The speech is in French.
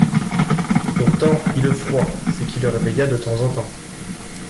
Pourtant il eut froid, ce qui le réveilla de temps en temps.